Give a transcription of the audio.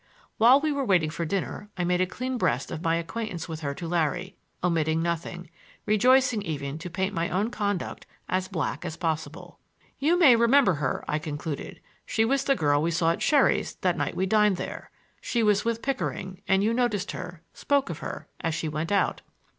While we were waiting for dinner I made a clean breast of my acquaintance with her to Larry, omitting nothing,—rejoicing even to paint my own conduct as black as possible. "You may remember her," I concluded, "she was the girl we saw at Sherry's that night we dined there. She was with Pickering, and you noticed her,—spoke of her, as she went out."